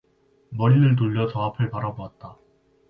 머리를 돌려 저 앞을 바라보았다.